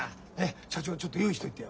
社長ちょっと用意しといてよ。